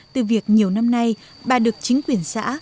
từ việc nhiều năm nay bà được chính quyền xã